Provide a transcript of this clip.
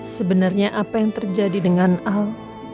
sebenarnya apa yang terjadi dengan al